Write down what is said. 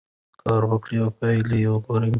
کار وکړئ او پایله یې وګورئ.